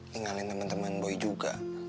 tinggalin temen temen boy juga